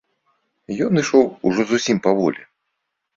Ён ішоў ужо зусім паволі.